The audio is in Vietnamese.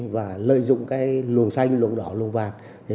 và lợi dụng luồng xanh luồng đỏ luồng vàng